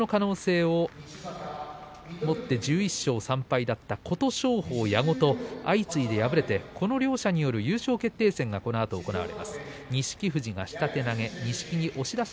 優勝の可能性を持って１１勝３敗だった琴勝峰、矢後と相次いで敗れてこの両者による優勝決定戦がこのあと行われます。